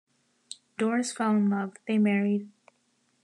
Doris fell in love, they married.